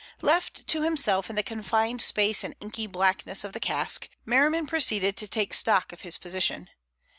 Left to himself in the confined space and inky blackness of the cask, Merriman proceeded to take stock of his position.